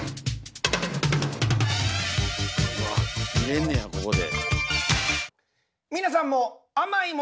うわっ見れんねやここで。